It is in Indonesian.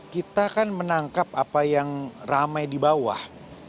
kita kan menangkap apa yang ramai di bawah